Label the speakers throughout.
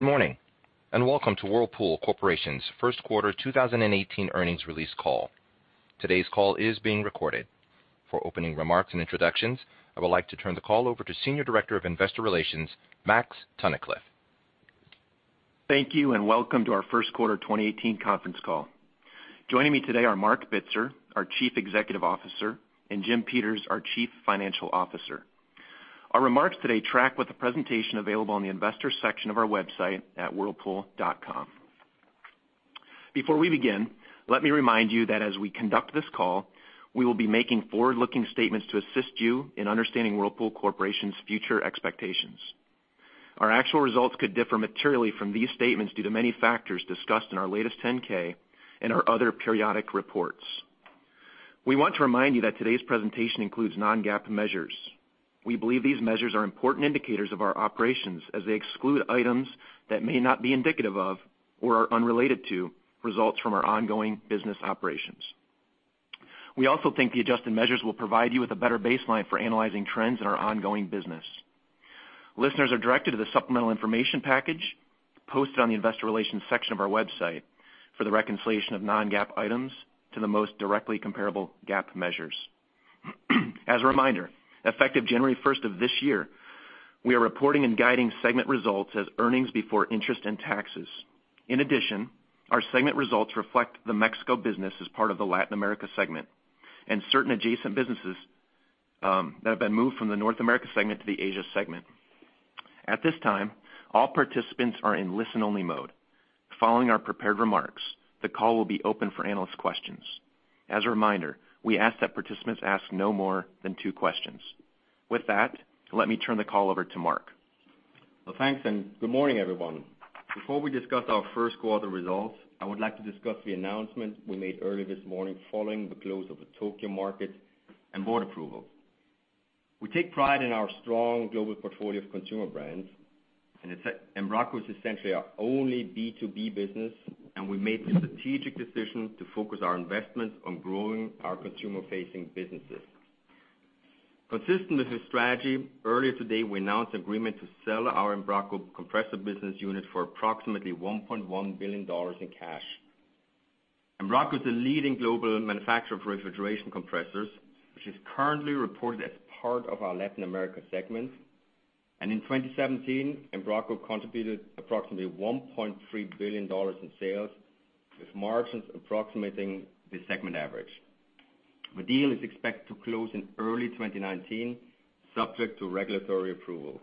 Speaker 1: Good morning, and welcome to Whirlpool Corporation's first quarter 2018 earnings release call. Today's call is being recorded. For opening remarks and introductions, I would like to turn the call over to Senior Director of Investor Relations, Max Tunnicliff.
Speaker 2: Thank you, and welcome to our first quarter 2018 conference call. Joining me today are Marc Bitzer, our Chief Executive Officer, and Jim Peters, our Chief Financial Officer. Our remarks today track with the presentation available on the investor section of our website at whirlpool.com. Before we begin, let me remind you that as we conduct this call, we will be making forward-looking statements to assist you in understanding Whirlpool Corporation's future expectations. Our actual results could differ materially from these statements due to many factors discussed in our latest 10-K and our other periodic reports. We want to remind you that today's presentation includes non-GAAP measures. We believe these measures are important indicators of our operations as they exclude items that may not be indicative of or are unrelated to results from our ongoing business operations. We also think the adjusted measures will provide you with a better baseline for analyzing trends in our ongoing business. Listeners are directed to the supplemental information package posted on the investor relations section of our website for the reconciliation of non-GAAP items to the most directly comparable GAAP measures. As a reminder, effective January 1st of this year, we are reporting and guiding segment results as earnings before interest and taxes. In addition, our segment results reflect the Mexico business as part of the Latin America segment, and certain adjacent businesses that have been moved from the North America segment to the Asia segment. At this time, all participants are in listen-only mode. Following our prepared remarks, the call will be open for analyst questions. As a reminder, we ask that participants ask no more than two questions. With that, let me turn the call over to Marc.
Speaker 3: Well, thanks, and good morning, everyone. Before we discuss our first quarter results, I would like to discuss the announcement we made early this morning following the close of the Tokyo market and board approval. We take pride in our strong global portfolio of consumer brands. Embraco is essentially our only B2B business. We made the strategic decision to focus our investments on growing our consumer-facing businesses. Consistent with this strategy, earlier today, we announced an agreement to sell our Embraco Compressor business unit for approximately $1.1 billion in cash. Embraco is the leading global manufacturer of refrigeration compressors, which is currently reported as part of our Latin America segment. In 2017, Embraco contributed approximately $1.3 billion in sales, with margins approximating the segment average. The deal is expected to close in early 2019, subject to regulatory approval.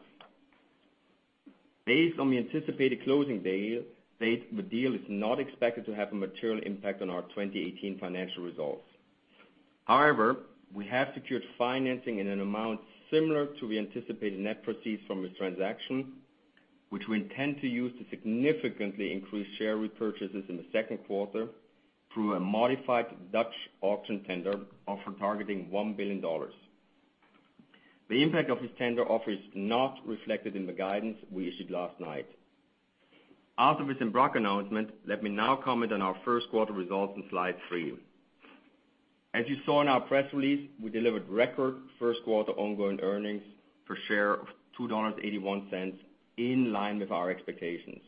Speaker 3: Based on the anticipated closing date, the deal is not expected to have a material impact on our 2018 financial results. However, we have secured financing in an amount similar to the anticipated net proceeds from this transaction, which we intend to use to significantly increase share repurchases in the second quarter through a modified Dutch auction tender offer targeting $1 billion. The impact of this tender offer is not reflected in the guidance we issued last night. After this Embraco announcement, let me now comment on our first quarter results on slide three. As you saw in our press release, we delivered record first quarter ongoing earnings per share of $2.81, in line with our expectations.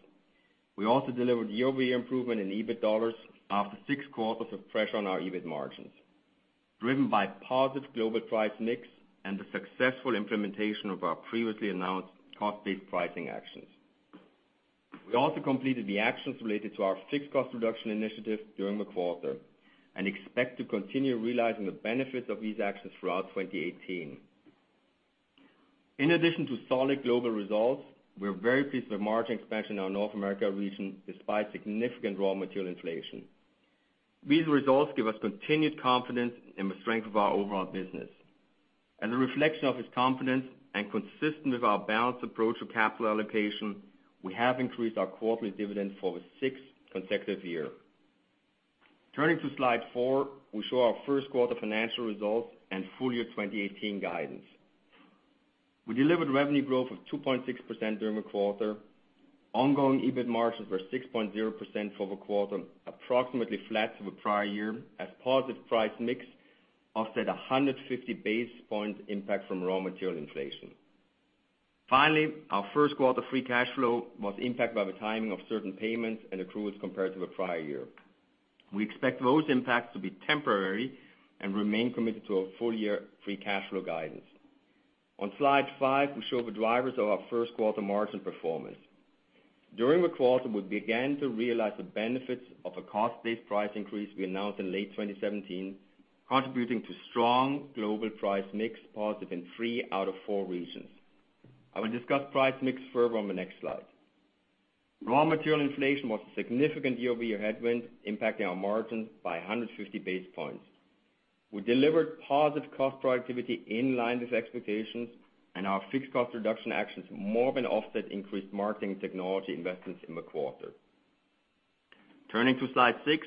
Speaker 3: We also delivered year-over-year improvement in EBIT dollars after six quarters of pressure on our EBIT margins, driven by positive global price mix and the successful implementation of our previously announced cost-based pricing actions. We also completed the actions related to our fixed cost reduction initiative during the quarter and expect to continue realizing the benefits of these actions throughout 2018. In addition to solid global results, we are very pleased with margin expansion in our North America region, despite significant raw material inflation. These results give us continued confidence in the strength of our overall business. As a reflection of this confidence and consistent with our balanced approach to capital allocation, we have increased our quarterly dividend for the sixth consecutive year. Turning to slide four, we show our first quarter financial results and full-year 2018 guidance. We delivered revenue growth of 2.6% during the quarter. Ongoing EBIT margins were 6.0% for the quarter, approximately flat to the prior year, as positive price mix offset 150 basis point impact from raw material inflation. Finally, our first quarter free cash flow was impacted by the timing of certain payments and accruals compared to the prior year. We expect those impacts to be temporary and remain committed to our full-year free cash flow guidance. On slide five, we show the drivers of our first quarter margin performance. During the quarter, we began to realize the benefits of a cost-based price increase we announced in late 2017, contributing to strong global price mix, positive in three out of four regions. I will discuss price mix further on the next slide. Raw material inflation was a significant year-over-year headwind, impacting our margins by 150 basis points. We delivered positive cost productivity in line with expectations, and our fixed cost reduction actions more than offset increased marketing technology investments in the quarter. Turning to slide six,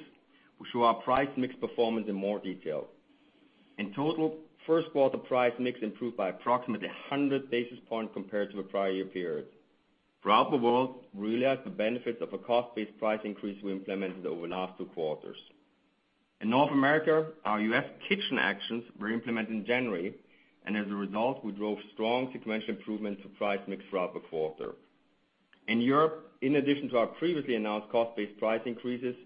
Speaker 3: we show our price mix performance in more detail. In total, first quarter price mix improved by approximately 100 basis points compared to the prior year period. Throughout the world, we realized the benefits of a cost-based price increase we implemented over the last two quarters. In North America, our U.S. kitchen actions were implemented in January, and as a result, we drove strong sequential improvements to price mix throughout the quarter. In Europe, in addition to our previously announced cost-based price increases,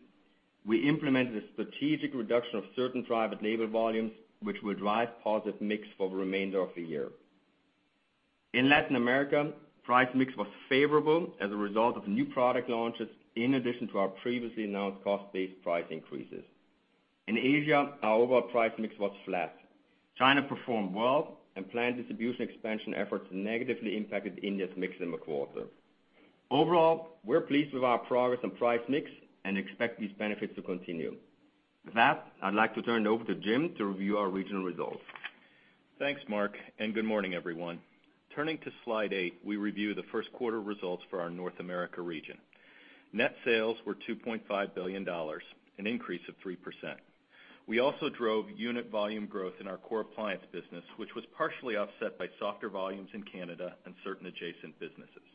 Speaker 3: we implemented a strategic reduction of certain private label volumes, which will drive positive mix for the remainder of the year. In Latin America, price mix was favorable as a result of new product launches, in addition to our previously announced cost-based price increases. In Asia, our overall price mix was flat. China performed well, planned distribution expansion efforts negatively impacted India's mix in the quarter. Overall, we're pleased with our progress on price mix and expect these benefits to continue. With that, I'd like to turn it over to Jim to review our regional results.
Speaker 4: Thanks, Marc. Good morning, everyone. Turning to slide eight, we review the first quarter results for our North America region. Net sales were $2.5 billion, an increase of 3%. We also drove unit volume growth in our core appliance business, which was partially offset by softer volumes in Canada and certain adjacent businesses.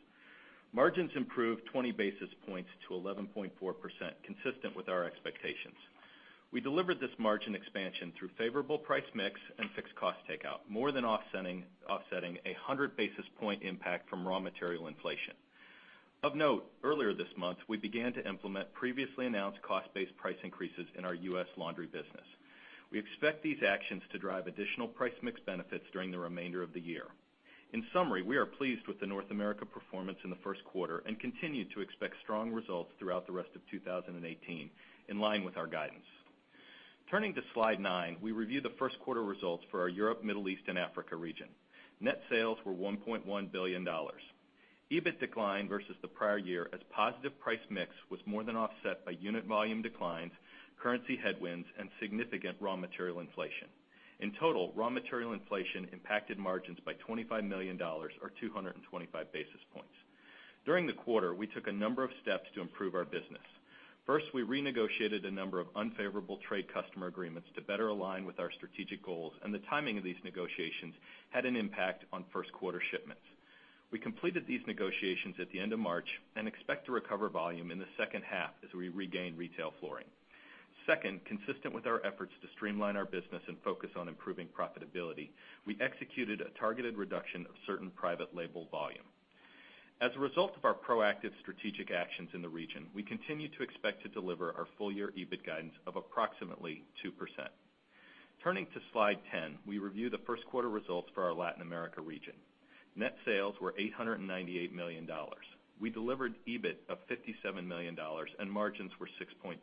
Speaker 4: Margins improved 20 basis points to 11.4%, consistent with our expectations. We delivered this margin expansion through favorable price mix and fixed cost takeout, more than offsetting 100 basis point impact from raw material inflation. Of note, earlier this month, we began to implement previously announced cost-based price increases in our U.S. laundry business. We expect these actions to drive additional price mix benefits during the remainder of the year. In summary, we are pleased with the North America performance in the first quarter and continue to expect strong results throughout the rest of 2018, in line with our guidance. Turning to slide nine, we review the first quarter results for our Europe, Middle East and Africa region. Net sales were $1.1 billion. EBIT declined versus the prior year as positive price mix was more than offset by unit volume declines, currency headwinds, and significant raw material inflation. In total, raw material inflation impacted margins by $25 million, or 225 basis points. During the quarter, we took a number of steps to improve our business. First, we renegotiated a number of unfavorable trade customer agreements to better align with our strategic goals. The timing of these negotiations had an impact on first quarter shipments. We completed these negotiations at the end of March and expect to recover volume in the second half as we regain retail flooring. Second, consistent with our efforts to streamline our business and focus on improving profitability, we executed a targeted reduction of certain private label volume. As a result of our proactive strategic actions in the region, we continue to expect to deliver our full-year EBIT guidance of approximately 2%. Turning to slide 10, we review the first quarter results for our Latin America region. Net sales were $898 million. We delivered EBIT of $57 million. Margins were 6.3%.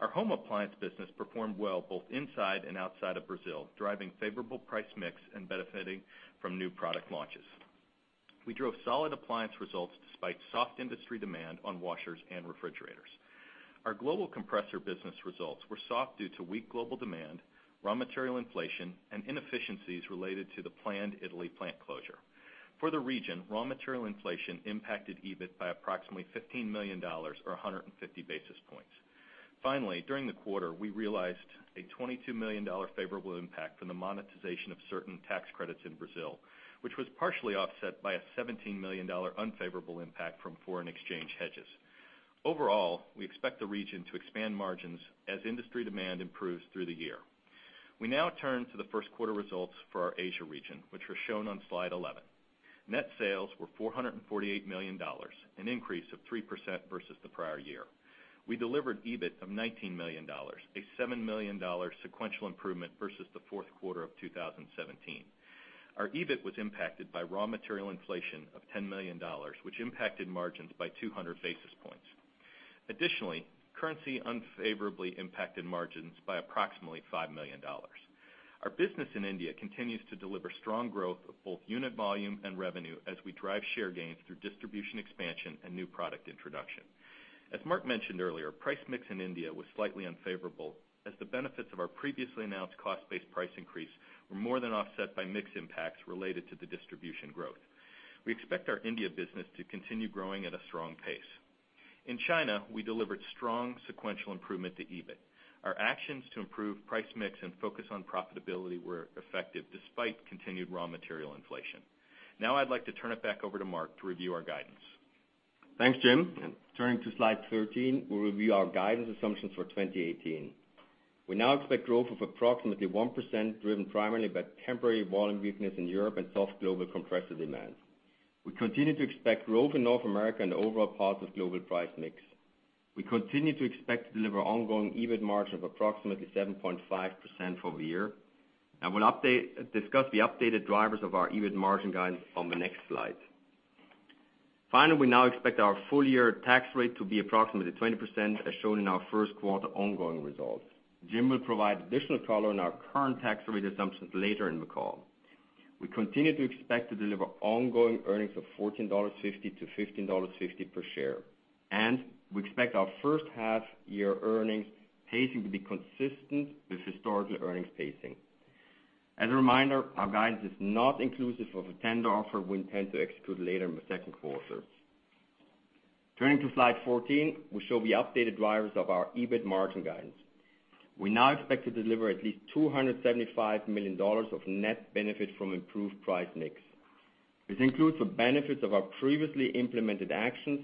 Speaker 4: Our home appliance business performed well both inside and outside of Brazil, driving favorable price mix and benefiting from new product launches. We drove solid appliance results despite soft industry demand on washers and refrigerators. Our global compressor business results were soft due to weak global demand, raw material inflation, and inefficiencies related to the planned Italy plant closure. For the region, raw material inflation impacted EBIT by approximately $15 million, or 150 basis points. Finally, during the quarter, we realized a $22 million favorable impact from the monetization of certain tax credits in Brazil, which was partially offset by a $17 million unfavorable impact from foreign exchange hedges. Overall, we expect the region to expand margins as industry demand improves through the year. We now turn to the first quarter results for our Asia region, which are shown on slide 11. Net sales were $448 million, an increase of 3% versus the prior year. We delivered EBIT of $19 million, a $7 million sequential improvement versus the fourth quarter of 2017. Our EBIT was impacted by raw material inflation of $10 million, which impacted margins by 200 basis points. Additionally, currency unfavorably impacted margins by approximately $5 million. Our business in India continues to deliver strong growth of both unit volume and revenue as we drive share gains through distribution expansion and new product introduction. As Marc mentioned earlier, price mix in India was slightly unfavorable as the benefits of our previously announced cost-based price increase were more than offset by mix impacts related to the distribution growth. We expect our India business to continue growing at a strong pace. In China, we delivered strong sequential improvement to EBIT. Our actions to improve price mix and focus on profitability were effective despite continued raw material inflation. I'd like to turn it back over to Marc to review our guidance.
Speaker 3: Thanks, Jim, turning to slide 13, we'll review our guidance assumptions for 2018. We now expect growth of approximately 1%, driven primarily by temporary volume weakness in Europe and soft global compressor demand. We continue to expect growth in North America and overall positive global price mix. We continue to expect to deliver ongoing EBIT margin of approximately 7.5% for the year, and we'll discuss the updated drivers of our EBIT margin guidance on the next slide. Finally, we now expect our full-year tax rate to be approximately 20%, as shown in our first quarter ongoing results. Jim will provide additional color on our current tax rate assumptions later in the call. We continue to expect to deliver ongoing earnings of $14.50 to $15.50 per share, and we expect our first half year earnings pacing to be consistent with historical earnings pacing. As a reminder, our guidance is not inclusive of a tender offer we intend to execute later in the second quarter. Turning to slide 14, we show the updated drivers of our EBIT margin guidance. We now expect to deliver at least $275 million of net benefit from improved price mix. This includes the benefits of our previously implemented actions,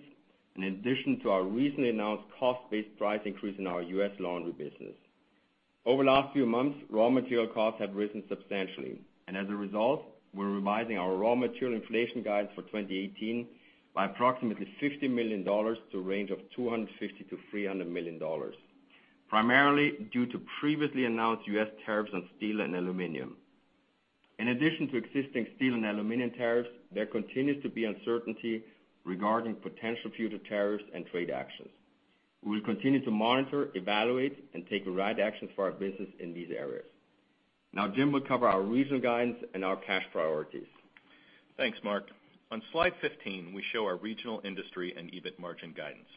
Speaker 3: in addition to our recently announced cost-based price increase in our U.S. laundry business. Over the last few months, raw material costs have risen substantially, and as a result, we're revising our raw material inflation guidance for 2018 by approximately $50 million to a range of $250 million-$300 million, primarily due to previously announced U.S. tariffs on steel and aluminum. In addition to existing steel and aluminum tariffs, there continues to be uncertainty regarding potential future tariffs and trade actions. We will continue to monitor, evaluate, and take the right actions for our business in these areas. Jim will cover our regional guidance and our cash priorities.
Speaker 4: Thanks, Marc. On slide 15, we show our regional industry and EBIT margin guidance.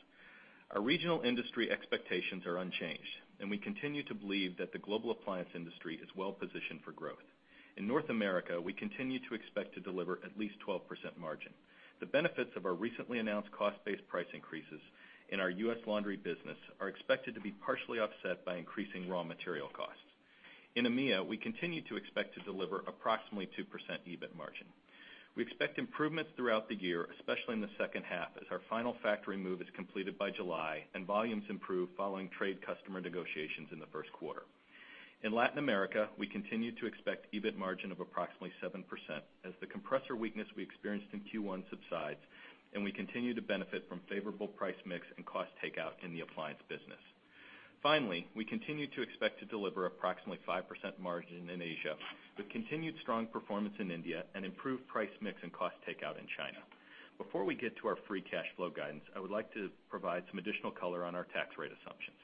Speaker 4: Our regional industry expectations are unchanged, and we continue to believe that the global appliance industry is well-positioned for growth. In North America, we continue to expect to deliver at least 12% margin. The benefits of our recently announced cost-based price increases in our U.S. laundry business are expected to be partially offset by increasing raw material costs. In EMEA, we continue to expect to deliver approximately 2% EBIT margin. We expect improvements throughout the year, especially in the second half, as our final factory move is completed by July and volumes improve following trade customer negotiations in the first quarter. In Latin America, we continue to expect EBIT margin of approximately 7% as the compressor weakness we experienced in Q1 subsides, and we continue to benefit from favorable price mix and cost takeout in the appliance business. Finally, we continue to expect to deliver approximately 5% margin in Asia, with continued strong performance in India and improved price mix and cost takeout in China. Before we get to our free cash flow guidance, I would like to provide some additional color on our tax rate assumptions.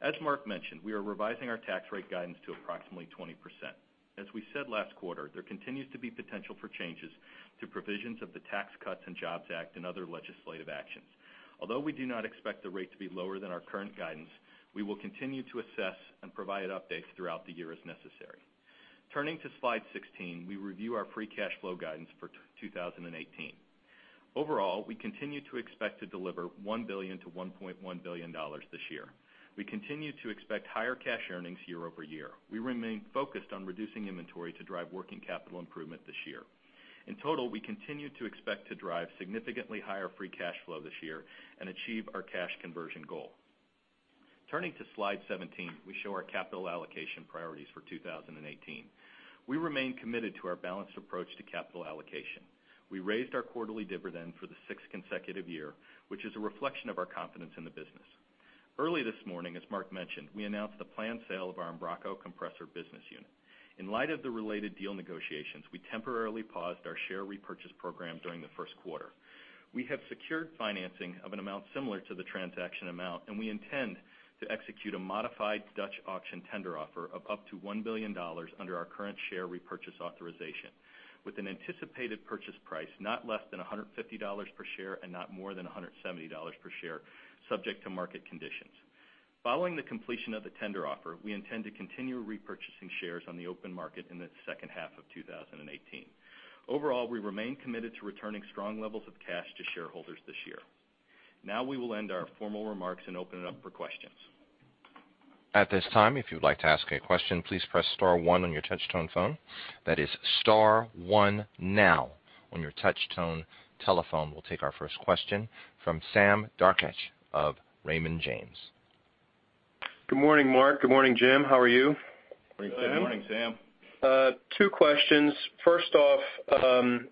Speaker 4: As Marc mentioned, we are revising our tax rate guidance to approximately 20%. As we said last quarter, there continues to be potential for changes to provisions of the Tax Cuts and Jobs Act and other legislative actions. Although we do not expect the rate to be lower than our current guidance, we will continue to assess and provide updates throughout the year as necessary. Turning to slide 16, we review our free cash flow guidance for 2018. Overall, we continue to expect to deliver $1 billion-$1.1 billion this year. We continue to expect higher cash earnings year-over-year. We remain focused on reducing inventory to drive working capital improvement this year. In total, we continue to expect to drive significantly higher free cash flow this year and achieve our cash conversion goal. Turning to slide 17, we show our capital allocation priorities for 2018. We remain committed to our balanced approach to capital allocation. We raised our quarterly dividend for the sixth consecutive year, which is a reflection of our confidence in the business. Early this morning, as Marc mentioned, we announced the planned sale of our Embraco compressor business unit. In light of the related deal negotiations, we temporarily paused our share repurchase program during the first quarter. We have secured financing of an amount similar to the transaction amount, and we intend to execute a modified Dutch auction tender offer of up to $1 billion under our current share repurchase authorization, with an anticipated purchase price not less than $150 per share and not more than $170 per share, subject to market conditions. Following the completion of the tender offer, we intend to continue repurchasing shares on the open market in the second half of 2018. Overall, we remain committed to returning strong levels of cash to shareholders this year. We will end our formal remarks and open it up for questions.
Speaker 1: At this time, if you would like to ask a question, please press star one on your touch-tone phone. That is star one now on your touch-tone telephone. We'll take our first question from Sam Darkatsh of Raymond James.
Speaker 5: Good morning, Marc. Good morning, Jim. How are you?
Speaker 4: Good morning, Sam.
Speaker 3: Good morning, Sam.
Speaker 5: Two questions. First off,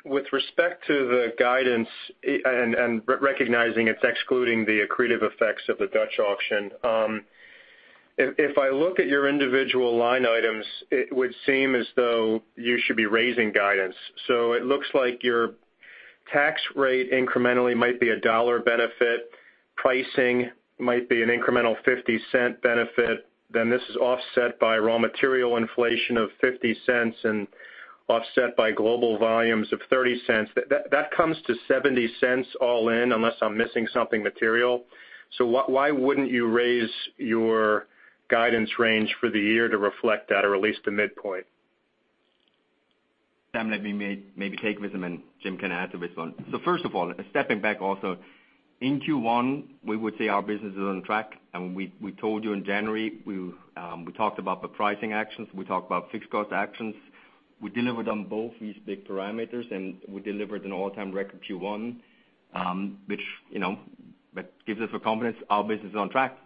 Speaker 5: with respect to the guidance and recognizing it's excluding the accretive effects of the Dutch auction, if I look at your individual line items, it would seem as though you should be raising guidance. It looks like your tax rate incrementally might be a $1 benefit. Pricing might be an incremental $0.50 benefit. This is offset by raw material inflation of $0.50 and offset by global volumes of $0.30. That comes to $0.70 all in, unless I'm missing something material. Why wouldn't you raise your guidance range for the year to reflect that, or at least the midpoint?
Speaker 3: Sam, let me maybe take this, and Jim can add to this one. First of all, stepping back also, in Q1, we would say our business is on track, and we told you in January, we talked about the pricing actions. We talked about fixed cost actions. We delivered on both these big parameters, and we delivered an all-time record Q1, which gives us the confidence our business is on track.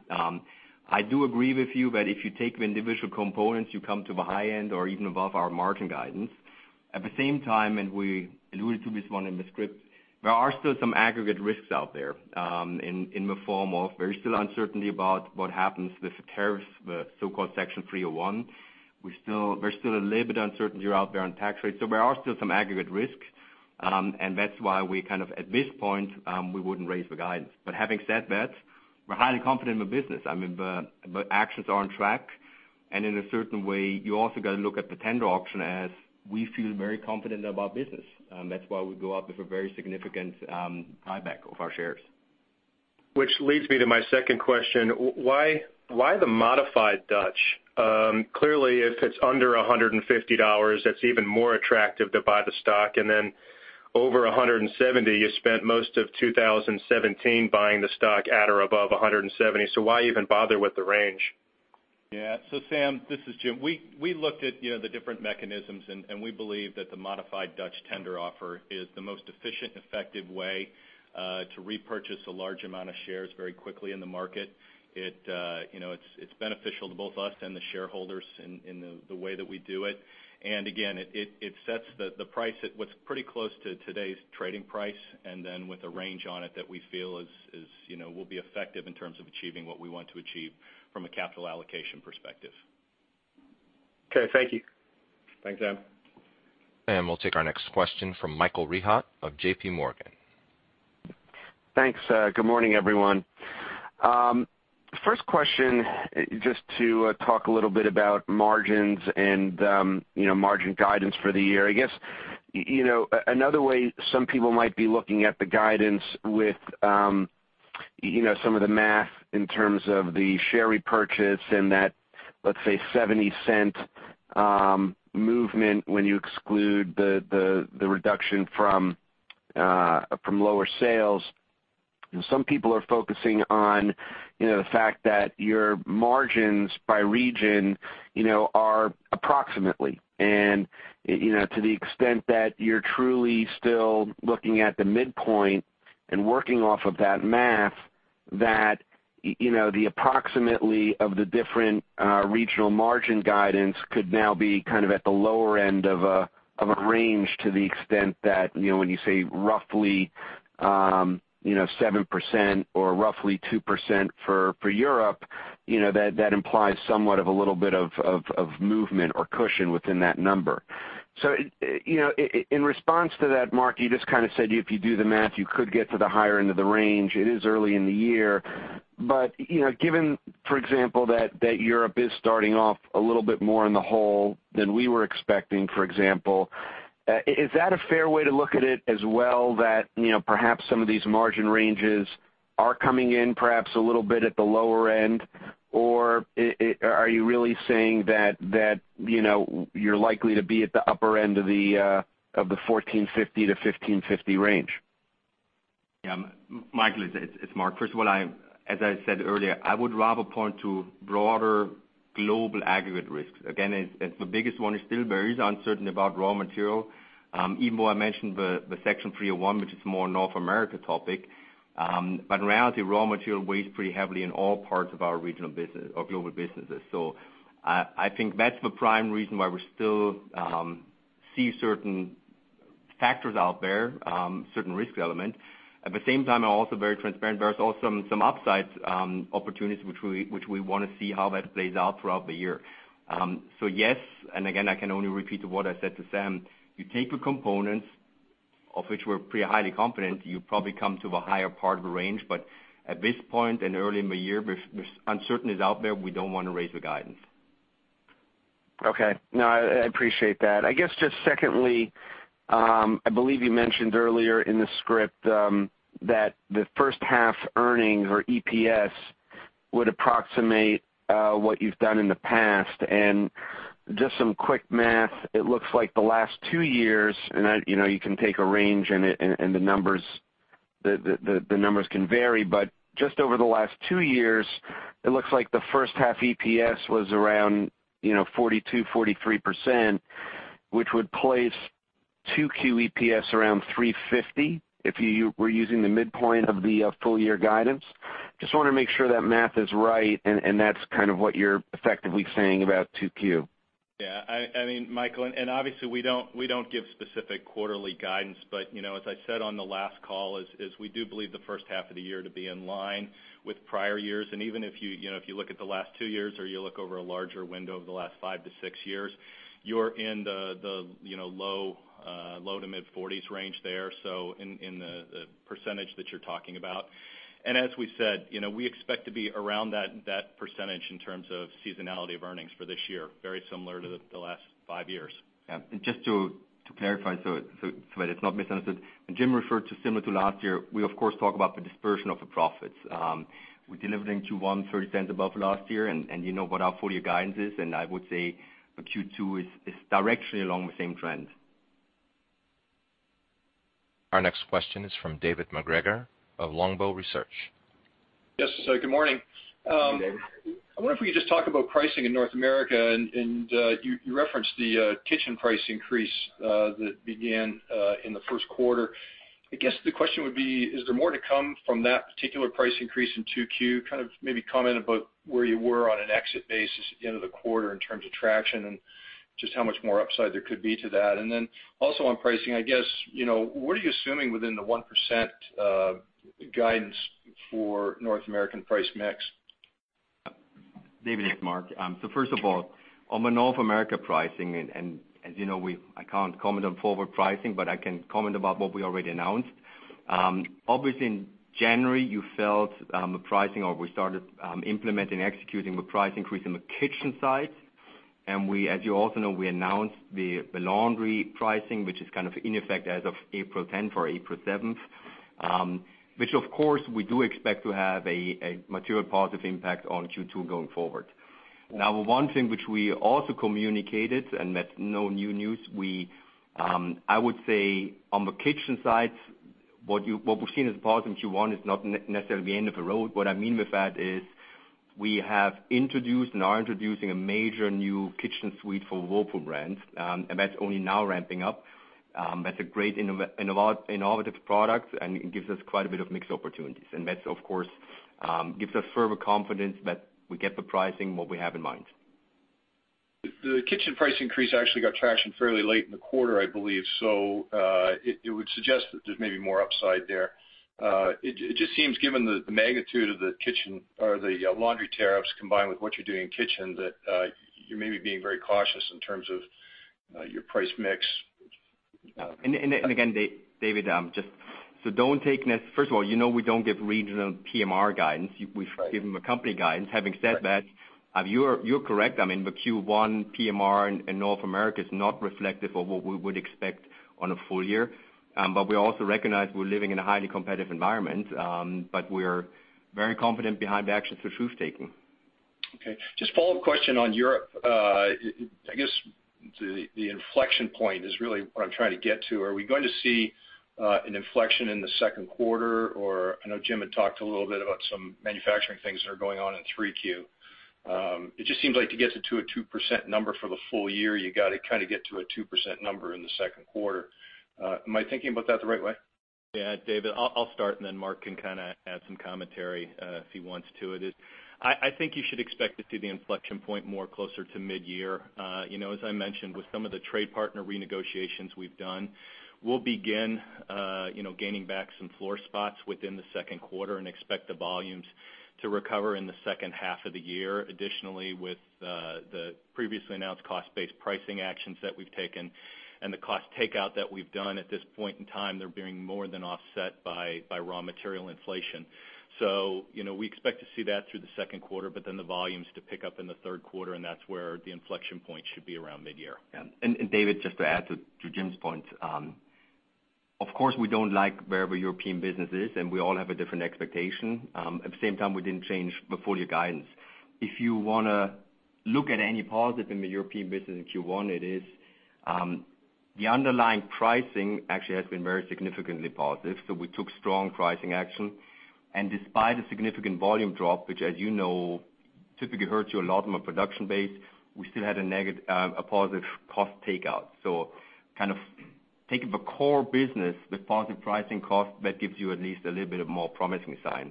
Speaker 3: I do agree with you that if you take the individual components, you come to the high end or even above our margin guidance. At the same time, and we alluded to this one in the script, there are still some aggregate risks out there in the form of there is still uncertainty about what happens with the tariffs, the so-called Section 301. There's still a little bit of uncertainty out there on tax rates. There are still some aggregate risks, and that's why at this point, we wouldn't raise the guidance. Having said that, we're highly confident in the business. The actions are on track, and in a certain way, you also got to look at the tender auction as we feel very confident about business. That's why we go out with a very significant buyback of our shares.
Speaker 5: Which leads me to my second question. Why the modified Dutch? Clearly if it's under $150, that's even more attractive to buy the stock. Then over $170, you spent most of 2017 buying the stock at or above $170. Why even bother with the range?
Speaker 4: Yeah. Sam, this is Jim. We looked at the different mechanisms, and we believe that the modified Dutch tender offer is the most efficient, effective way to repurchase a large amount of shares very quickly in the market. It's beneficial to both us and the shareholders in the way that we do it. Again, it sets the price at what's pretty close to today's trading price, then with a range on it that we feel will be effective in terms of achieving what we want to achieve from a capital allocation perspective.
Speaker 5: Okay. Thank you.
Speaker 4: Thanks, Sam.
Speaker 1: We'll take our next question from Michael Rehaut of J.P. Morgan.
Speaker 6: Thanks. Good morning, everyone. First question, just to talk a little bit about margins and margin guidance for the year. I guess, another way some people might be looking at the guidance with some of the math in terms of the share repurchase and that, let's say $0.70 movement, when you exclude the reduction from lower sales. Some people are focusing on the fact that your margins by region are approximately, and to the extent that you're truly still looking at the midpoint and working off of that math, that the approximately of the different regional margin guidance could now be at the lower end of a range to the extent that when you say roughly 7% or roughly 2% for Europe, that implies somewhat of a little bit of movement or cushion within that number. In response to that, Marc, you just said if you do the math, you could get to the higher end of the range. It is early in the year, but given, for example, that Europe is starting off a little bit more in the hole than we were expecting, for example, is that a fair way to look at it as well, that perhaps some of these margin ranges are coming in perhaps a little bit at the lower end? Or are you really saying that you're likely to be at the upper end of the $14.50-$15.50 range?
Speaker 3: Yeah. Michael, it's Marc. First of all, as I said earlier, I would rather point to broader global aggregate risks. Again, the biggest one still there is uncertainty about raw material. Even though I mentioned the Section 301, which is more North America topic. In reality, raw material weighs pretty heavily in all parts of our regional business or global businesses. I think that's the prime reason why we still see certain factors out there, certain risk element. At the same time, I'm also very transparent. There are also some upside opportunities which we want to see how that plays out throughout the year. Yes, and again, I can only repeat what I said to Sam. You take the components of which we're pretty highly confident, you probably come to the higher part of the range. At this point, and early in the year, uncertainty is out there. We don't want to raise the guidance.
Speaker 6: Okay. No, I appreciate that. I guess just secondly, I believe you mentioned earlier in the script that the first half earnings or EPS would approximate what you've done in the past. Just some quick math, it looks like the last two years, and you can take a range in it and the numbers can vary, but just over the last two years, it looks like the first half EPS was around 42%-43%, which would place 2Q EPS around $3.50, if you were using the midpoint of the full-year guidance. Just want to make sure that math is right, and that's what you're effectively saying about 2Q.
Speaker 4: Yeah. Michael, obviously we don't give specific quarterly guidance, as I said on the last call, we do believe the first half of the year to be in line with prior years. Even if you look at the last two years or you look over a larger window of the last five to six years, you're in the low to mid-40s range there, so in the percentage that you're talking about. As we said, we expect to be around that percentage in terms of seasonality of earnings for this year, very similar to the last five years.
Speaker 3: Yeah. Just to clarify so that it's not misunderstood. When Jim referred to similar to last year, we of course talk about the dispersion of the profits. We're delivering Q1 $0.30 above last year, you know what our full-year guidance is, I would say that Q2 is directly along the same trend.
Speaker 1: Our next question is from David MacGregor of Longbow Research.
Speaker 7: Yes, good morning.
Speaker 3: Good morning.
Speaker 7: I wonder if we could just talk about pricing in North America, and you referenced the kitchen price increase that began in the first quarter. I guess the question would be, is there more to come from that particular price increase in 2Q? Maybe comment about where you were on an exit basis at the end of the quarter in terms of traction, and just how much more upside there could be to that. Also on pricing, I guess, what are you assuming within the 1% guidance for North American price mix?
Speaker 3: David, it's Marc. First of all, on the North America pricing, as you know, I can't comment on forward pricing, but I can comment about what we already announced. Obviously in January, you felt the pricing or we started implementing, executing the price increase in the kitchen side. As you also know, we announced the laundry pricing, which is in effect as of April 10 or April 7th. Of course, we do expect to have a material positive impact on Q2 going forward. One thing which we also communicated that's no new news. I would say on the kitchen side what we've seen is positive in Q1 is not necessarily the end of the road. What I mean with that is we have introduced and are introducing a major new kitchen suite for Whirlpool brands, and that's only now ramping up. That's a great innovative product, it gives us quite a bit of mix opportunities. That, of course, gives us further confidence that we get the pricing what we have in mind.
Speaker 7: The kitchen price increase actually got traction fairly late in the quarter, I believe. It would suggest that there's maybe more upside there. It just seems given the magnitude of the kitchen or the laundry tariffs combined with what you're doing in kitchen, that you may be being very cautious in terms of your price mix.
Speaker 3: Again, David, first of all, you know we don't give regional PMR guidance.
Speaker 7: Right.
Speaker 3: We give company guidance. Having said that.
Speaker 7: Right
Speaker 3: You're correct. I mean, the Q1 PMR in North America is not reflective of what we would expect on a full year. We also recognize we're living in a highly competitive environment. We're very confident behind the actions which we've taken.
Speaker 7: Okay. Just follow-up question on Europe. I guess the inflection point is really what I'm trying to get to. Are we going to see an inflection in the second quarter? I know Jim had talked a little bit about some manufacturing things that are going on in 3Q. It just seems like to get to a 2% number for the full year, you got to kind of get to a 2% number in the second quarter. Am I thinking about that the right way?
Speaker 4: Yeah, David, I'll start. Marc can add some commentary if he wants to. I think you should expect to see the inflection point more closer to mid-year. As I mentioned, with some of the trade partner renegotiations we've done, we'll begin gaining back some floor spots within the second quarter and expect the volumes to recover in the second half of the year. Additionally, with the previously announced cost-based pricing actions that we've taken and the cost takeout that we've done at this point in time, they're being more than offset by raw material inflation. We expect to see that through the second quarter. The volumes to pick up in the third quarter, and that's where the inflection point should be around mid-year.
Speaker 3: Yeah. David, just to add to Jim's point. Of course, we don't like where the European business is, and we all have a different expectation. At the same time, we didn't change the full year guidance. If you want to look at any positive in the European business in Q1, it is the underlying pricing actually has been very significantly positive. We took strong pricing action, and despite a significant volume drop, which as you know, typically hurts you a lot on a production base, we still had a positive cost takeout. Taking the core business with positive pricing cost, that gives you at least a little bit of more promising sign.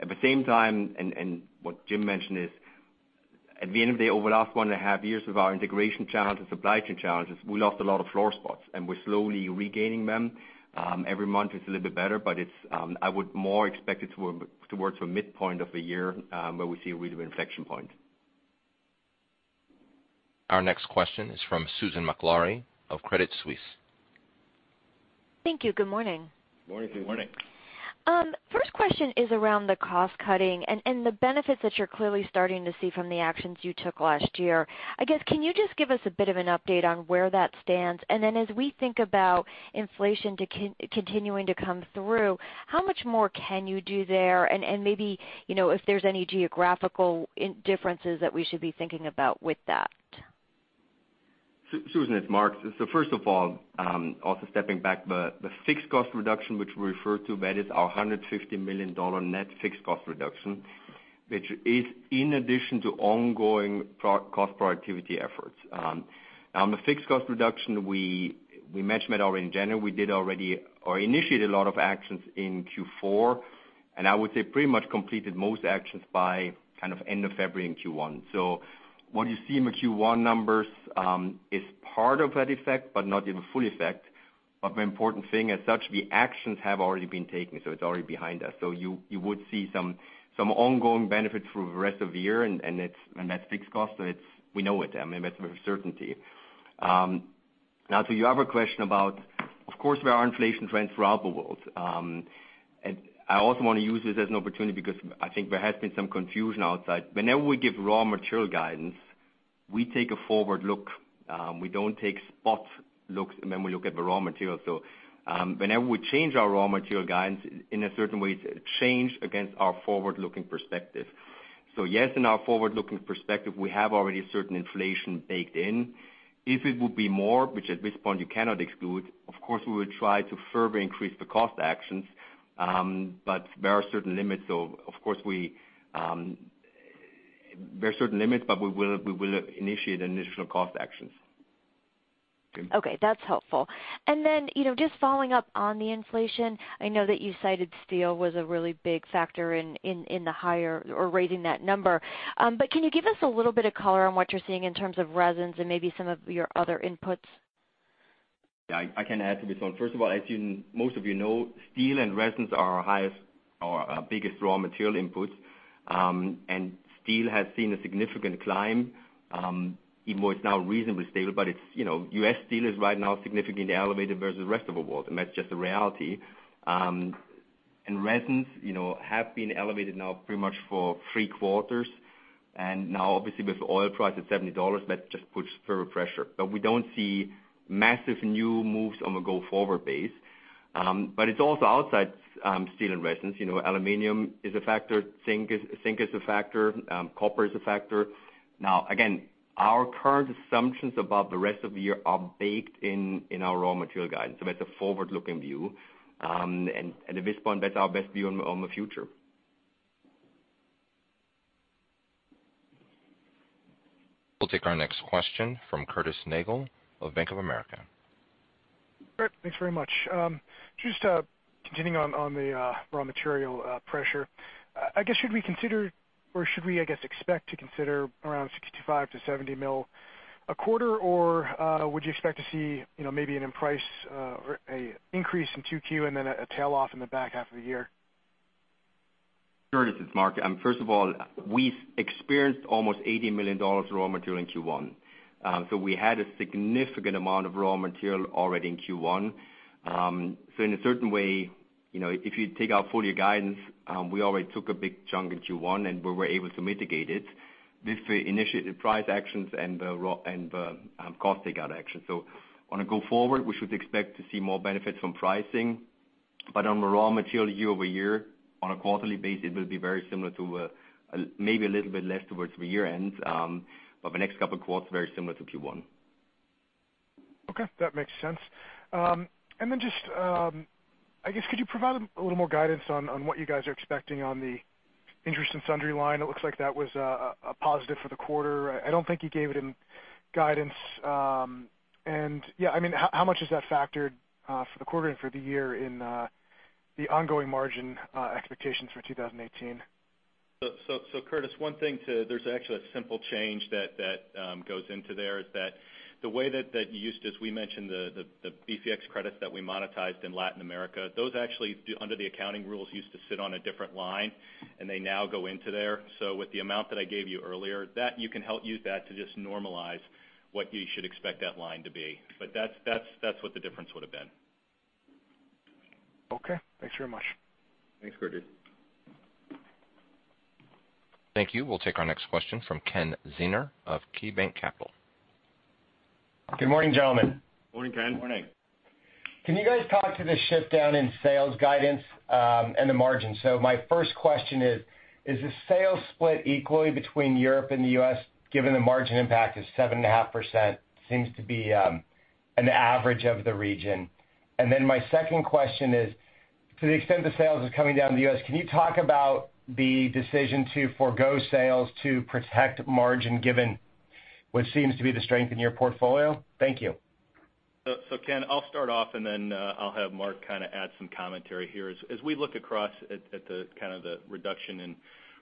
Speaker 3: At the same time, what Jim mentioned is at the end of the day, over the last one and a half years of our integration challenge and supply chain challenges, we lost a lot of floor spots, and we're slowly regaining them. Every month it's a little bit better, but I would more expect it towards the midpoint of the year, where we see a real inflection point.
Speaker 1: Our next question is from Susan Maklari of Credit Suisse.
Speaker 8: Thank you. Good morning.
Speaker 3: Morning.
Speaker 4: Good morning.
Speaker 8: First question is around the cost cutting and the benefits that you're clearly starting to see from the actions you took last year. I guess, can you just give us a bit of an update on where that stands? As we think about inflation continuing to come through, how much more can you do there? Maybe, if there's any geographical differences that we should be thinking about with that.
Speaker 3: Susan, it's Marc. First of all, also stepping back, the fixed cost reduction, which we refer to, that is our $150 million net fixed cost reduction. Which is in addition to ongoing cost productivity efforts. On the fixed cost reduction, we mentioned that already in January. We did already or initiated a lot of actions in Q4, I would say pretty much completed most actions by kind of end of February and Q1. What you see in the Q1 numbers, is part of that effect, but not in the full effect. The important thing as such, the actions have already been taken, so it's already behind us. You would see some ongoing benefits for the rest of the year, and that's fixed cost, so we know it. That's with certainty. Now to your other question about, of course, there are inflation trends throughout the world. I also want to use this as an opportunity because I think there has been some confusion outside. Whenever we give raw material guidance, we take a forward look. We don't take spot looks, we look at the raw material. Whenever we change our raw material guidance, in a certain way, it's a change against our forward-looking perspective. Yes, in our forward-looking perspective, we have already certain inflation baked in. If it would be more, which at this point you cannot exclude, of course, we will try to further increase the cost actions. There are certain limits, but we will initiate additional cost actions.
Speaker 8: Okay. That's helpful. Then, just following up on the inflation. I know that you cited steel was a really big factor in the higher or raising that number. Can you give us a little bit of color on what you're seeing in terms of resins and maybe some of your other inputs?
Speaker 3: Yeah, I can add to this one. First of all, as most of you know, steel and resins are our highest or our biggest raw material inputs. Steel has seen a significant climb, even though it's now reasonably stable, U.S. steel is right now significantly elevated versus the rest of the world, and that's just the reality. Resins have been elevated now pretty much for three quarters. Now obviously with oil price at $70, that just puts further pressure. We don't see massive new moves on a go forward base. It's also outside steel and resins. Aluminum is a factor, zinc is a factor, copper is a factor. Again, our current assumptions about the rest of the year are baked in our raw material guidance. That's a forward-looking view. At this point, that's our best view on the future.
Speaker 1: We'll take our next question from Curtis Nagle of Bank of America.
Speaker 9: Great. Thanks very much. Just continuing on the raw material pressure, should we consider or expect to consider around $65 million-$70 million a quarter? Would you expect to see maybe an increase in 2Q and then a tail off in the back half of the year?
Speaker 3: Curtis, it's Marc. We experienced almost $80 million raw material in Q1. We had a significant amount of raw material already in Q1. In a certain way, if you take our full-year guidance, we already took a big chunk in Q1, and we were able to mitigate it with the initiative price actions and the cost takeout actions. On a go forward, we should expect to see more benefits from pricing. On the raw material year-over-year, on a quarterly basis, it will be very similar to maybe a little bit less towards the year-end. The next couple of quarters, very similar to Q1.
Speaker 9: Okay. That makes sense. Just, I guess, could you provide a little more guidance on what you guys are expecting on the interest in sundry line? It looks like that was a positive for the quarter. I don't think you gave it in guidance. Yeah, how much has that factored for the quarter and for the year in the ongoing margin expectations for 2018?
Speaker 4: Curtis, one thing too, there's actually a simple change that goes into there, is that the way that you used as we mentioned, the Bladex credit that we monetized in Latin America, those actually, under the accounting rules, used to sit on a different line, and they now go into there. With the amount that I gave you earlier, you can help use that to just normalize what you should expect that line to be. That's what the difference would have been.
Speaker 9: Okay. Thanks very much.
Speaker 4: Thanks, Curtis.
Speaker 1: Thank you. We'll take our next question from Ken Zener of KeyBanc Capital.
Speaker 10: Good morning, gentlemen.
Speaker 4: Morning, Ken.
Speaker 3: Morning.
Speaker 10: Can you guys talk to the shift down in sales guidance and the margin? My first question is the sales split equally between Europe and the U.S., given the margin impact is 7.5% seems to be an average of the region. My second question is, to the extent the sales is coming down to the U.S., can you talk about the decision to forgo sales to protect margin, given what seems to be the strength in your portfolio? Thank you.
Speaker 4: Ken, I'll start off, and then I'll have Marc add some commentary here. As we look across at the kind of the reduction in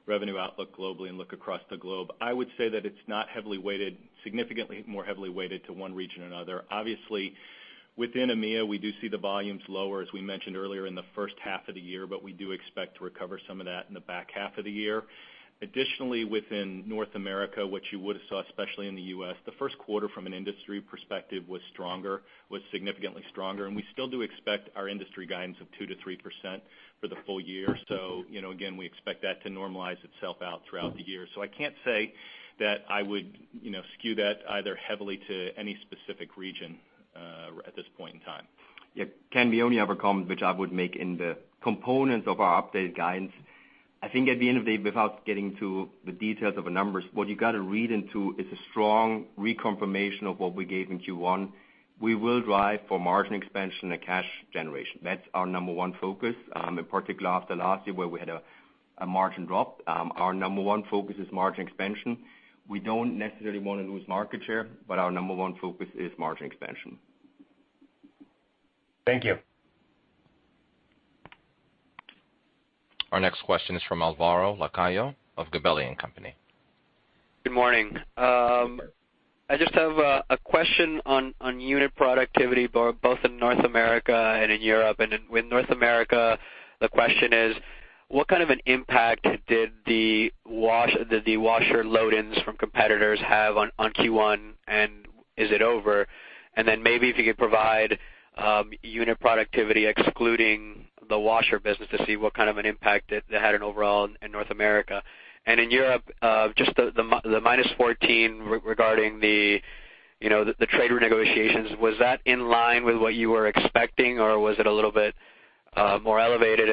Speaker 4: revenue outlook globally and look across the globe, I would say that it's not significantly more heavily weighted to one region another. Obviously, within EMEA, we do see the volumes lower, as we mentioned earlier in the first half of the year, but we do expect to recover some of that in the back half of the year. Additionally, within North America, what you would have saw, especially in the U.S., the first quarter from an industry perspective was significantly stronger, and we still do expect our industry guidance of 2%-3% for the full year. Again, we expect that to normalize itself out throughout the year. I can't say that I would skew that either heavily to any specific region at this point in time.
Speaker 3: Yeah. Ken, the only other comment which I would make in the components of our updated guidance, I think at the end of the day, without getting to the details of the numbers, what you got to read into is a strong reconfirmation of what we gave in Q1. We will drive for margin expansion and cash generation. That's our number one focus, in particular after last year where we had a margin drop. Our number one focus is margin expansion. We don't necessarily want to lose market share, but our number one focus is margin expansion.
Speaker 10: Thank you.
Speaker 1: Our next question is from Alvaro Lacayo of Gabelli & Company.
Speaker 11: Good morning. I just have a question on unit productivity, both in North America and in Europe. With North America, the question is, what kind of an impact did the washer load-ins from competitors have on Q1, and is it over? Maybe if you could provide unit productivity excluding the washer business to see what kind of an impact that had an overall in North America. In Europe, just the -14 regarding the trade renegotiations, was that in line with what you were expecting, or was it a little bit more elevated?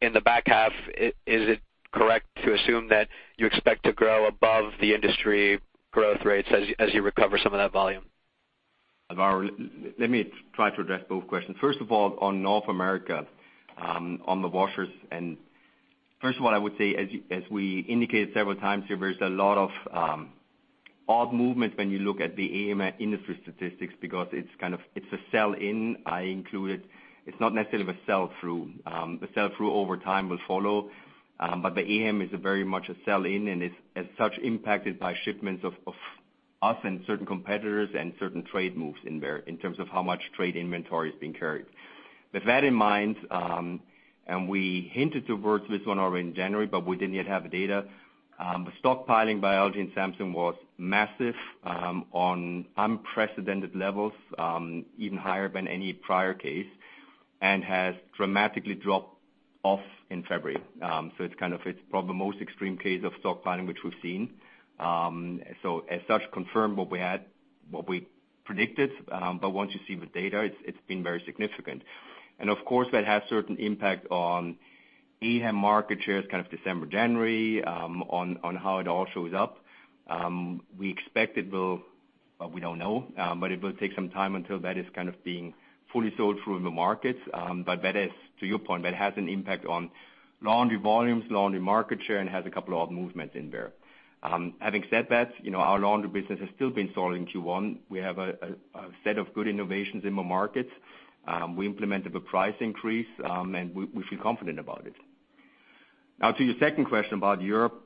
Speaker 11: In the back half, is it correct to assume that you expect to grow above the industry growth rates as you recover some of that volume?
Speaker 3: Alvaro, let me try to address both questions. First of all, on North America, on the washers. First of all, I would say, as we indicated several times here, there's a lot of odd movements when you look at the AHAM industry statistics because it's a sell-in I included. It's not necessarily the sell-through. The sell-through over time will follow. The AHAM is a very much a sell in, and as such, impacted by shipments of us and certain competitors and certain trade moves in there in terms of how much trade inventory is being carried. With that in mind, we hinted towards this one already in January, but we didn't yet have data. The stockpiling by LG and Samsung was massive on unprecedented levels, even higher than any prior case, and has dramatically dropped off in February. It's probably the most extreme case of stockpiling which we've seen. As such, confirmed what we predicted. Once you see the data, it's been very significant. Of course, that has certain impact on AHAM market shares December, January, on how it all shows up. We expect it will But we don't know. It will take some time until that is being fully sold through in the markets. That is, to your point, that has an impact on laundry volumes, laundry market share, and has a couple of odd movements in there. Having said that, our laundry business has still been solid in Q1. We have a set of good innovations in the markets. We implemented the price increase, and we feel confident about it. To your second question about Europe,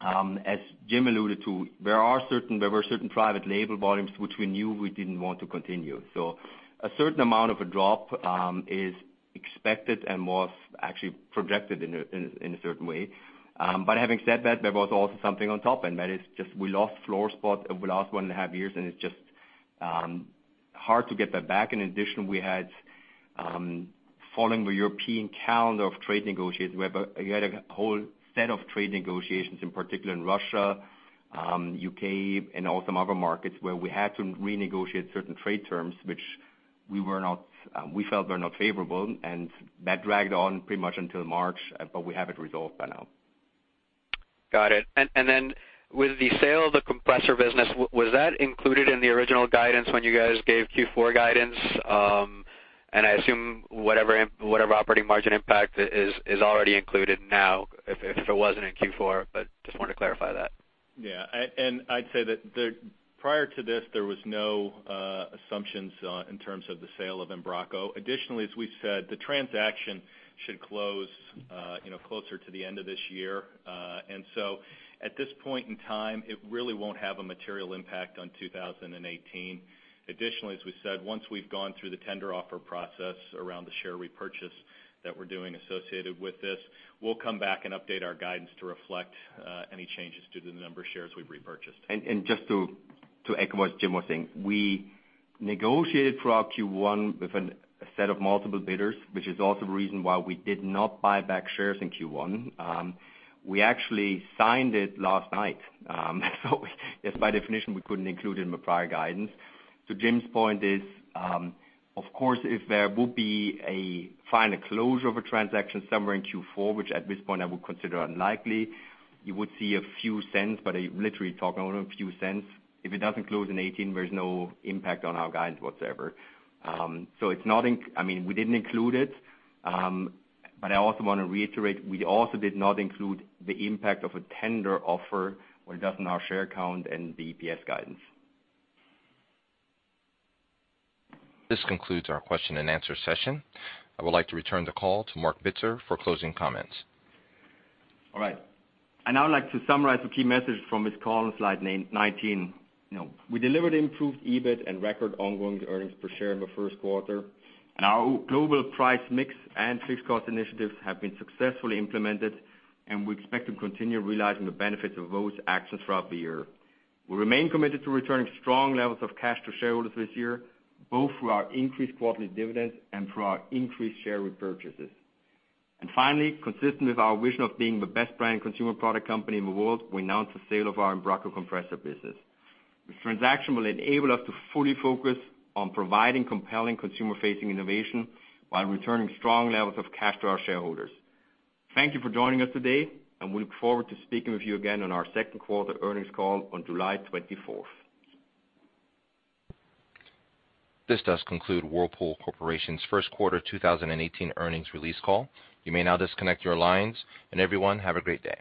Speaker 3: as Jim alluded to, there were certain private label volumes which we knew we didn't want to continue. A certain amount of a drop is expected and was actually projected in a certain way. Having said that, there was also something on top, and that is just we lost floor spot over the last one and a half years, and it's just hard to get that back. In addition, we had, following the European calendar of trade negotiations, we had a whole set of trade negotiations, in particular in Russia, U.K., and also some other markets where we had to renegotiate certain trade terms, which we felt were not favorable. That dragged on pretty much until March, but we have it resolved by now.
Speaker 11: Got it. Then with the sale of the compressor business, was that included in the original guidance when you guys gave Q4 guidance? I assume whatever operating margin impact is already included now, if it wasn't in Q4, but just wanted to clarify that.
Speaker 4: Yeah. I'd say that prior to this, there was no assumptions in terms of the sale of Embraco. Additionally, as we said, the transaction should close closer to the end of this year. At this point in time, it really won't have a material impact on 2018. Additionally, as we said, once we've gone through the tender offer process around the share repurchase that we're doing associated with this, we'll come back and update our guidance to reflect any changes to the number of shares we've repurchased.
Speaker 3: Just to echo what Jim was saying, we negotiated throughout Q1 with a set of multiple bidders, which is also the reason why we did not buy back shares in Q1. We actually signed it last night. Just by definition, we couldn't include it in the prior guidance. To Jim's point is, of course, if there will be a final closure of a transaction somewhere in Q4, which at this point I would consider unlikely, you would see a few cents, but literally talking only a few cents. If it doesn't close in 2018, there's no impact on our guidance whatsoever. We didn't include it. I also want to reiterate, we also did not include the impact of a tender offer when it does in our share count and the EPS guidance.
Speaker 1: This concludes our question and answer session. I would like to return the call to Marc Bitzer for closing comments.
Speaker 3: All right. I'd now like to summarize the key message from this call on slide 19. We delivered improved EBIT and record ongoing earnings per share in the first quarter. Our global price mix and fixed cost initiatives have been successfully implemented, and we expect to continue realizing the benefits of those actions throughout the year. We remain committed to returning strong levels of cash to shareholders this year, both through our increased quarterly dividends and through our increased share repurchases. Finally, consistent with our vision of being the best brand consumer product company in the world, we announced the sale of our Embraco compressor business. This transaction will enable us to fully focus on providing compelling consumer-facing innovation while returning strong levels of cash to our shareholders. Thank you for joining us today, and we look forward to speaking with you again on our second quarter earnings call on July 24th.
Speaker 1: This does conclude Whirlpool Corporation's first quarter 2018 earnings release call. Everyone, have a great day.